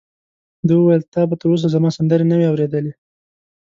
ده وویل: تا به تر اوسه زما سندرې نه وي اورېدلې؟